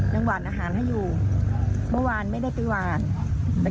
เจอกันทั้งสุดท้ายวันไหนครับ